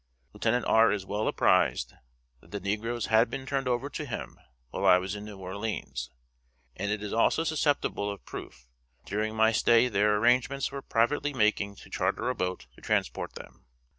Lieutenant R. is well apprised that the negroes had been turned over to him while I was in New Orleans; and it is also susceptible of proof that during my stay there arrangements were privately making to charter a boat to transport them.